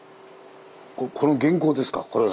これ原稿ですかこれが。